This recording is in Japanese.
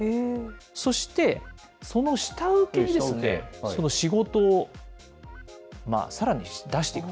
そして、その下請けに、その仕事をさらに出していく。